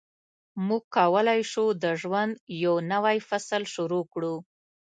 موږ کولای شو د ژوند یو نوی فصل شروع کړو.